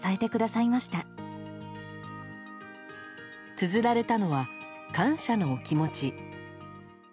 つづられたのは感謝の気持ち。